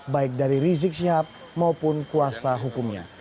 baik dari rizik syihab maupun kuasa hukumnya